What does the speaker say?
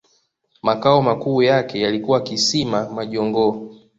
Makao makuu yake yalikuwa Kisima majongoo